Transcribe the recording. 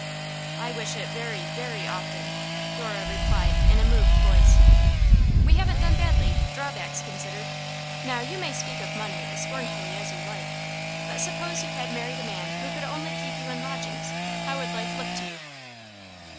'I wish it very, very often,' Dora replied in a moved voice. 'We haven't done badly, drawbacks considered. Now, you may speak of money as scornfully as you like; but suppose you had married a man who could only keep you in lodgings! How would life look to you?